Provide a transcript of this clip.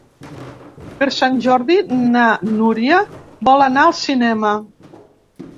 Per Sant Jordi na Núria vol anar al cinema.